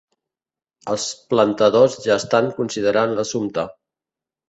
Els plantadors ja estan considerant l'assumpte.